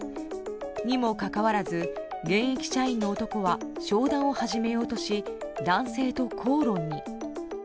にもかかわらず現役社員の男は商談を始めようとし男性と口論に。